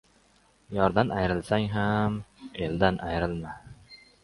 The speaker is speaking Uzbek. Yordan ayrilsang ham, eldan ayrilma.